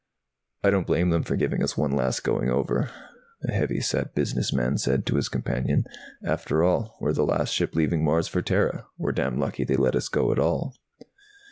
"I don't blame them for giving us one last going over," a heavy set business man said to his companion. "After all, we're the last ship leaving Mars for Terra. We're damn lucky they let us go at all."